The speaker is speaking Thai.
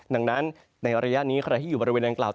ดังนั้นในระยะนี้ใครที่อยู่บริเวณดังกล่าว